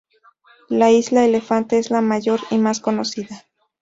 La isla Elefante es la mayor y más conocida.